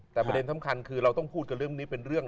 แต่ประเด็นสำคัญคือเราต้องพูดกับเรื่องนี้เป็นเรื่อง